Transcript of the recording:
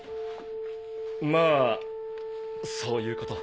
まぁそういうこと。